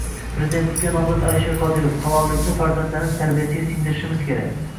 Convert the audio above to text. Prezidentlikka nomzod Alisher Qodirov: “Halollikni farzandlarimiz tarbiyasiga singdirishimiz kerak”